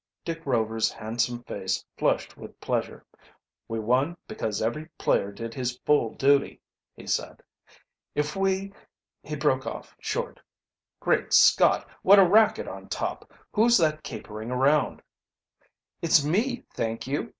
Dick Rover's handsome face flushed with pleasure. "We won because every player did his full duty," he said. "If we " He broke off short. "Great Scott, what a racket on top! Who's that capering around?" "It's me, thank you!"